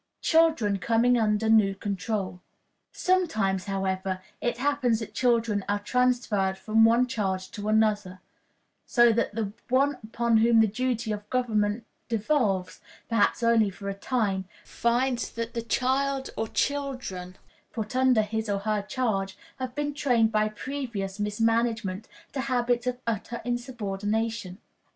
Children coming under New Control. Sometimes, however, it happens that children are transferred from one charge to another, so that the one upon whom the duty of government devolves, perhaps only for a time, finds that the child or children put under his or her charge have been trained by previous mismanagement to habits of utter insubordination.